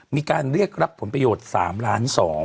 มีการเรียกรับผลประโยชน์๓ล้าน๒